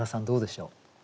どうでしょう？